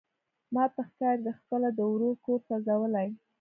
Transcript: ماته ښکاري ده خپله د ورور کور سوزولی.